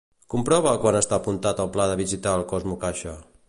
Comprova quan està apuntat el pla de visitar el CosmoCaixa.